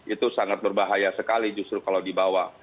itu sangat berbahaya sekali justru kalau di bawah